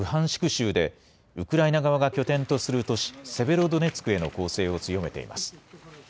州でウクライナ側が拠点とする都市セベロドネツクへの攻勢を強めています。